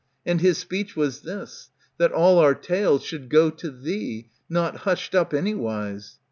And his speech Was this, that all our tale should go to thee. Not hushed up anywise.